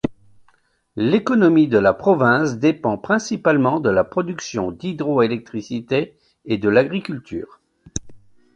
L'économie de la province dépend principalement de la production d'hydroélectricité et de l'agriculture.